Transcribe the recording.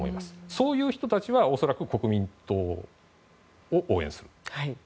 そういう人たちは恐らく国民党を応援する。